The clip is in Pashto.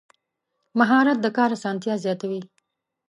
مهارت د کار اسانتیا زیاتوي.